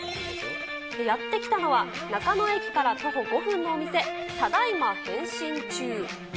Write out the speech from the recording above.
やって来たのは、中野駅から徒歩５分のお店、ただいま、変身中。